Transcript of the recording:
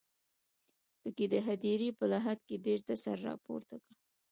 په کې د هديرې په لحد کې بېرته سر راپورته کړ.